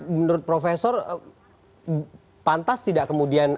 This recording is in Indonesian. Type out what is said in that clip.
menurut profesor pantas tidak kemudian